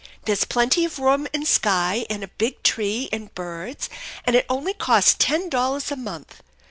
There's plenty of room, and sky, and a big tree, and birds; and it only costs ten dollars a month.